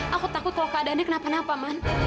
aku takut kalau keadaannya kenapa kenapa man